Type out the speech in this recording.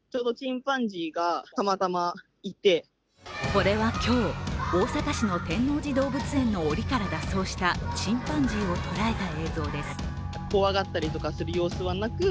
これは今日、大阪市の天王寺動物園のおりから脱走したチンパンジーを捉えた映像です。